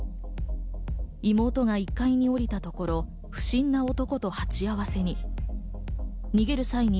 妹が１階に降りたところ、不審な男と鉢合わせに。